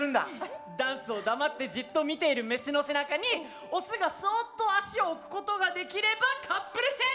ダンスを黙ってじっと見ているメスの背中にオスがそっと足を置くことができればカップル成立！